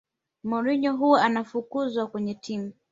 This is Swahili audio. mourinho huwa anafukuzwakwenye timu